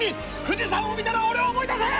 富士山を見たら俺を思い出せ！